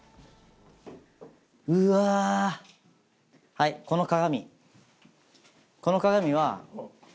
はいこの鏡。